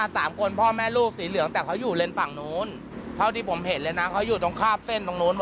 เท่าที่ผมเห็นเลยนะเขาอยู่ตรงข้ามเส้นตรงโน้น